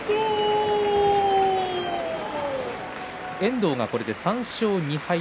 遠藤、これで３勝２敗。